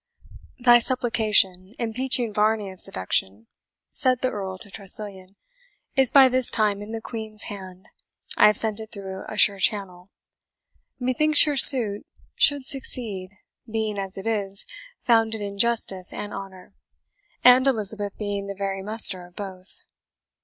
"Thy Supplication, impeaching Varney of seduction," said the Earl to Tressilian, "is by this time in the Queen's hand I have sent it through a sure channel. Methinks your suit should succeed, being, as it is, founded in justice and honour, and Elizabeth being the very muster of both.